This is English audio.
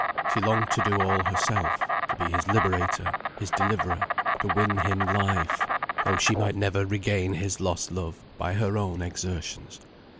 She longed to do all herself; to be his liberator, his deliverer; to win him life, though she might never regain his lost love, by her own exertions.